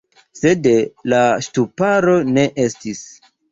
Sed la ŝtuparo ne estis.